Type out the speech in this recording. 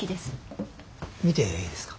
見ていいですか？